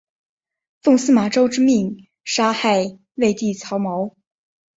奉司马昭之命弑害魏帝曹髦。